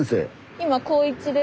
今高１です。